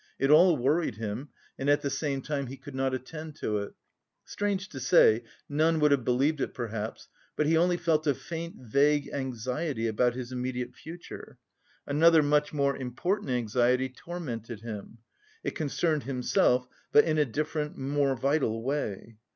It all worried him and at the same time he could not attend to it. Strange to say, none would have believed it perhaps, but he only felt a faint vague anxiety about his immediate future. Another, much more important anxiety tormented him it concerned himself, but in a different, more vital way.